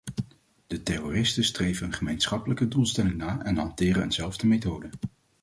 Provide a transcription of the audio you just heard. De terroristen streven een gemeenschappelijke doelstelling na en hanteren eenzelfde methode.